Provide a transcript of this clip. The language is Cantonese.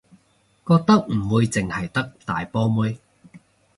覺得唔會淨係得大波妹